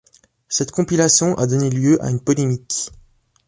Cette compilation a donné lieu à une polémique.